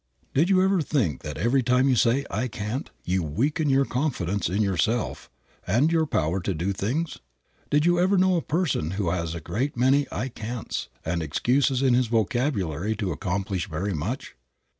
Did you ever think that every time you say "I can't" you weaken your confidence in yourself and your power to do things? Did you ever know a person who has a great many "I cant's," and excuses in his vocabulary to accomplish very much?